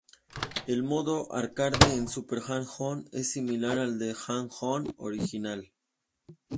El modo arcade en "Super Hang-On" es similar al del "Hang-On" original.